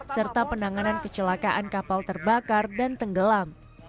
serta penanganan kecelakaan kapal terbakar dan tenggelam